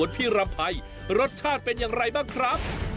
การเปลี่ยนแปลงในครั้งนั้นก็มาจากการไปเยี่ยมยาบที่จังหวัดก้าและสินใช่ไหมครับพี่รำไพ